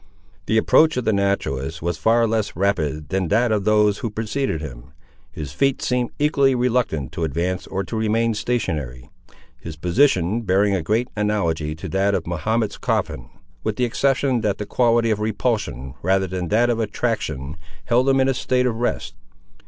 The approach of the naturalist was far less rapid than that of those who preceded him. His feet seemed equally reluctant to advance, or to remain stationary; his position bearing a great analogy to that of Mahomet's coffin, with the exception that the quality of repulsion rather than that of attraction held him in a state of rest.